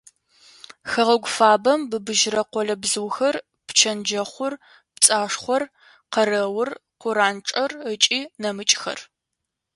Хэгъэгу фабэм быбыжьрэ къолэбзыухэр: пчэндэхъур, пцӏашхъор, къэрэур, къуанчӏэр ыкӏи нэмыкӏхэр.